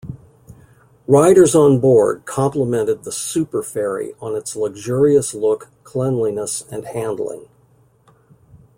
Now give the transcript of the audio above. Riders onboard complimented the "superferry" on its luxurious look, cleanliness, and handling.